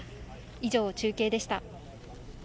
以上、中継でした。